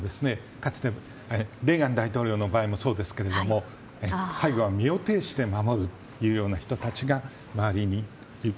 かつてレーガン大統領の場合もそうですが最後は身を挺して守るという人たちが周りにいる。